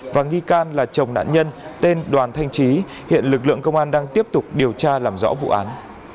và nghi can là chồng nạn nhân tên đoàn thanh trí hiện lực lượng công an đang tiếp tục điều tra làm rõ vụ án